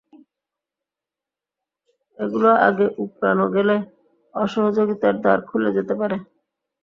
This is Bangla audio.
এগুলো আগে উপড়ানো গেলে সহযোগিতার দ্বার খুলে যেতে পারে।